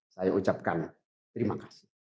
saya ucapkan terima kasih